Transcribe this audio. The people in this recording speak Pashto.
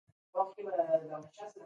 زه د زعفرانو لپاره عاجل بار خدمت کاروم.